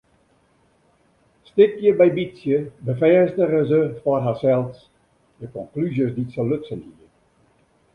Stikje by bytsje befêstige se foar harsels de konklúzjes dy't se lutsen hie.